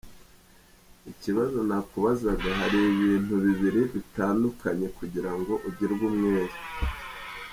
Ikibazo nakubaza hari ibintu bibiri bitandukanye kugirango ugirwe inama:.